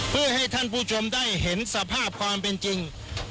เพื่อให้ท่านผู้ชมได้เห็นสภาพความเป็นจริง